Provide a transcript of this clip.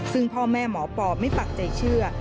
ซึ่งพ่อแม่หมอปอไม่ปักใจเชื่อ